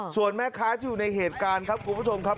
ส่วนแม่ค้าที่อยู่ในเหตุการณ์ครับคุณผู้ชมครับ